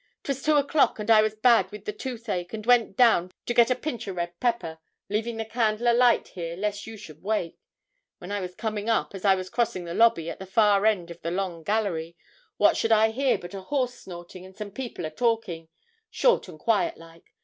''Twas two o'clock, and I was bad with the toothache, and went down to get a pinch o' red pepper leaving the candle a light here lest you should awake. When I was coming up as I was crossing the lobby, at the far end of the long gallery what should I hear, but a horse snorting, and some people a talking, short and quiet like.